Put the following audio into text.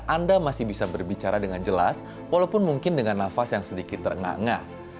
anda masih bisa berbicara dengan jelas walaupun mungkin dengan nafas yang sedikit terengah engah